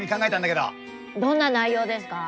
どんな内容ですか？